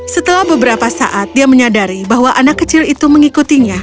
setelah beberapa saat dia menyadari bahwa anak kecil itu mengikutinya